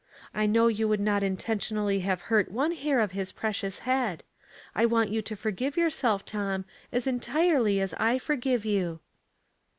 I know you would not intentionally have hurt one hair of his precious head. I want you to forgive yourself, Tom, as entirely as I forgive you."